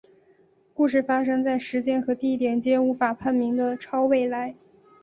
故事发生在时间和地点皆无法判明的超未来。